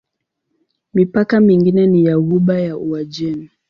Mipaka mingine ni ya Ghuba ya Uajemi.